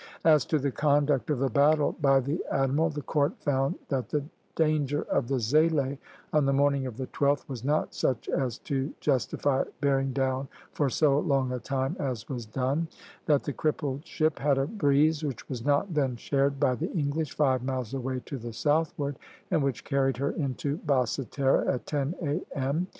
" As to the conduct of the battle by the admiral, the Court found that the danger of the "Zélé" on the morning of the 12th was not such as to justify bearing down for so long a time as was done; that the crippled ship had a breeze which was not then shared by the English, five miles away to the southward, and which carried her into Basse Terre at ten A.M.